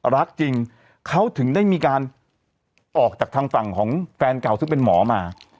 รักจริงเขาถึงได้มีการออกจากทางฝั่งของแฟนเก่าซึ่งเป็นหมอมา